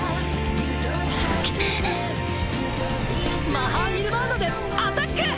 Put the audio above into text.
マハーニルヴァーナでアタック！